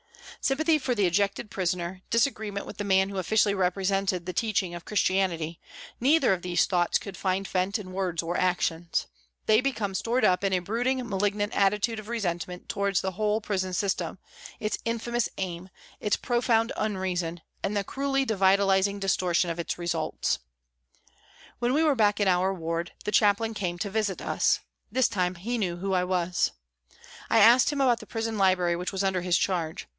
Sympathy for the ejected prisoner, dis agreement with the man who officially represented the teaching of Christianity, neither of these thoughts could find vent in words or actions ; they become stored up in a brooding, malignant attitude of resentment towards the whole prison system, its infamous aim, its profound unreason, and the cruelly devitalising distortion of its results. When we were back in our ward the Chaplain came to visit us. This time, he knew who I was. I asked him about the prison library which was under his charge.